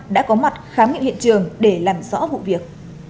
đã có mặt khám nghiệm hiện trường để làm rõ vụ việc